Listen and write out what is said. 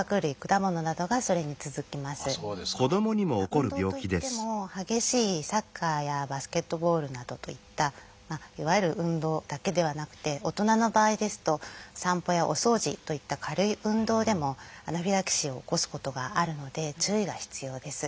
運動といっても激しいサッカーやバスケットボールなどといったいわゆる運動だけではなくて大人の場合ですと散歩やお掃除といった軽い運動でもアナフィラキシーを起こすことがあるので注意が必要です。